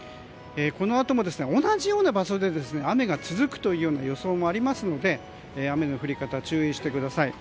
このあとも、同じような場所で雨が続くというような予想もありますので雨の降り方、注意してください。